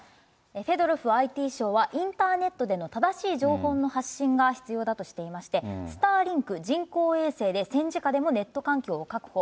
フェドロフＩＴ相は、インターネットでの正しい情報の発信が必要だとしていまして、スターリンク、人工衛星で戦時下でもネット環境を確保。